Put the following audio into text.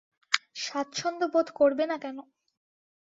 স্বাচ্ছন্দ্যবোধ করবে না কেন?